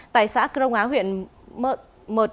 tại xã crong á huyện mợt